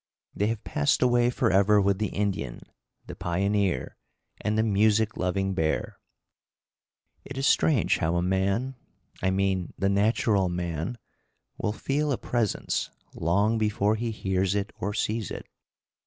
They have passed away forever with the Indian, the pioneer, and the music loving bear. It is strange how a man I mean the natural man will feel a presence long before he hears it or sees it.